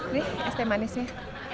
nih es teh manisnya